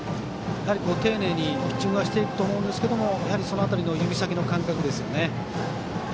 丁寧にピッチングはしていくと思うんですけれどもその辺りの指先の感覚ですね。